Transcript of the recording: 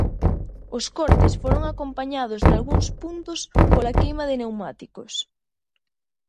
Os cortes foron acompañados nalgúns puntos pola queima de pneumáticos.